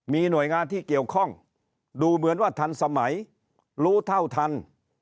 มีหน่วยงานที่เกี่ยวข้องดูเหมือนว่าทันสมัยรู้เท่าทัน